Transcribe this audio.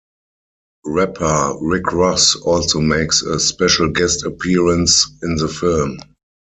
Rapper Rick Ross also makes a special guest appearance in the film.